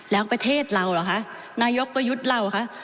แล้วประเทศเราเหรอคะนายกประยุทธ์เราคะ